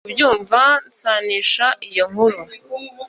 Nkimara kubyumva nsanisha iyo nkuru